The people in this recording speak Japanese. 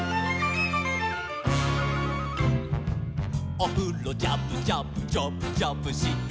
「おふろジャブジャブジャブジャブしてたら」